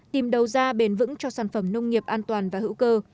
tìm đầu ra bền vững cho sản phẩm nông nghiệp an toàn và hữu cơ